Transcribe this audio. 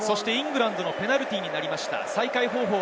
イングランドのペナルティーになりました。